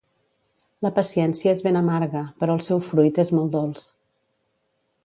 La paciència és ben amarga, però el seu fruit és molt dolç.